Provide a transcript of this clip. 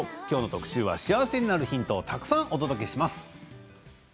きょうの特集は幸せになるヒントをたくさんお届けします。